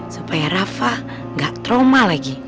supaya rafa gak trauma lagi